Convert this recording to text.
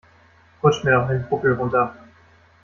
Rutsch mir doch den Buckel runter.